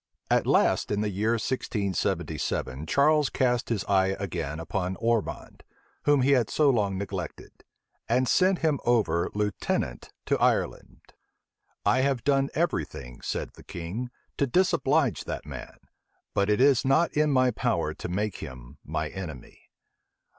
At last, in the year 1677 Charles cast his eye again upon Ormond, whom he had so long neglected; and sent him over lieutenant to Ireland. "I have done every thing," said the king, "to disoblige that man; but it is not in my power to make him my enemy."